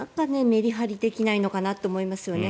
メリハリできないのかなと思いますよね。